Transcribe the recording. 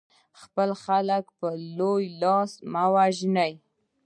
خپل خلک په لوی لاس مه وژنئ.